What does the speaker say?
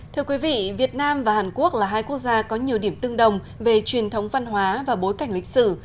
thưa quý vị việt nam và hàn quốc là hai quốc gia có nhiều điểm tương đồng về truyền thống văn hóa và bối cảnh lịch sử